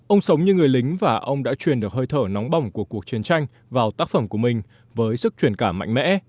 ông sống như người lính và ông đã truyền được hơi thở nóng bỏng của cuộc chiến tranh vào tác phẩm của mình với sức truyền cảm mạnh mẽ